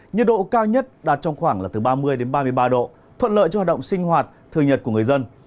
nhiệt độ cao nhất đạt trong khoảng ba mươi ba mươi ba độ thuận lợi cho hoạt động sinh hoạt thường nhật của người dân